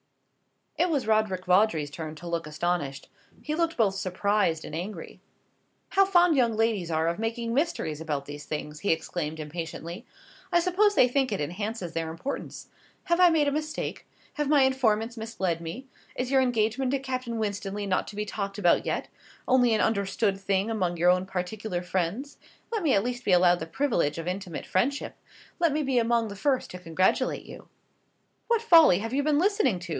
It was Roderick Vawdrey's turn to look astonished. He looked both surprised and angry. "How fond young ladies are of making mysteries about these things," he exclaimed impatiently; "I suppose they think it enhances their importance. Have I made a mistake? Have my informants misled me? Is your engagement to Captain Winstanley not to be talked about yet only an understood thing among your own particular friends? Let me at least be allowed the privilege of intimate friendship. Let me be among the first to congratulate you." "What folly have you been listening to?"